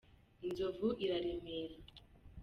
Inzovu iraremera.